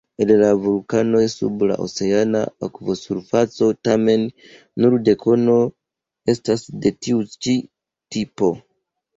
El la vulkanoj sub la oceana akvosurfaco tamen nur dekono estas de tiu-ĉi tipo.